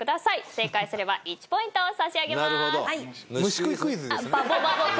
正解すれば１ポイント差し上げます。